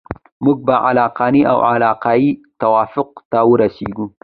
موږ به عقلاني او عقلایي توافق ته ورسیږو.